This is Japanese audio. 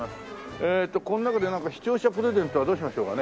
えーっとこの中で視聴者プレゼントはどうしましょうかね。